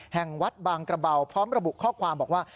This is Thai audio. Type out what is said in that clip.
แห่งวัดบางกระเบาพร้อมระบุข้อความบอกว่า